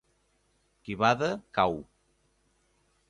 Qui bada, cau.